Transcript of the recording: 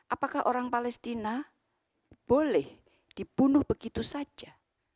apakah orang palestina boleh dibunuh begitu saja